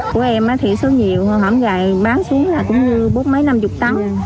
của em thì số nhiều khoảng gài bán xuống là cũng như bốn mấy năm mươi tấn